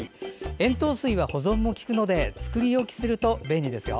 塩糖水は保存も利くので作り置きすると便利ですよ。